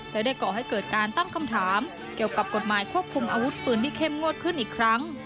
และได้ก่อให้เกิดการตั้งคำถามเกี่ยวกับกฎหมายควบคุมอาวุธปืนที่เข้มงวดขึ้นอีกครั้ง